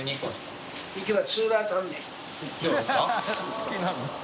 好きなんだ。